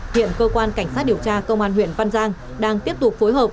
hiện cơ quan cảnh sát điều tra công an huyện văn giang đang tiếp tục phối hợp